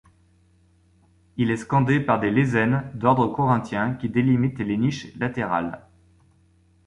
Il est scandé par des lésènes d'ordre corinthien qui délimitent les niches latérales.